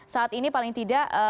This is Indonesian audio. saat ini paling tidak